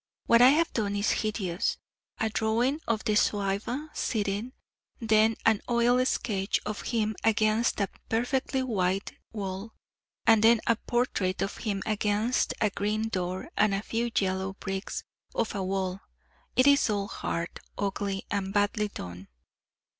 What I have done is hideous; a drawing of the Zouave sitting; then an oil sketch of him against a perfectly white wall; and then a portrait of him against a green door and a few yellow bricks of a wall it is all hard, ugly, and badly done.